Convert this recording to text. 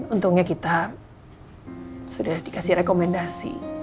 untungnya kita sudah dikasih rekomendasi